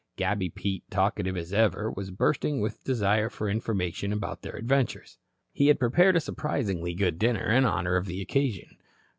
Gabby Pete, talkative as ever, was bursting with desire for information about all their adventures. He had prepared a surprisingly good dinner in honor of the occasion.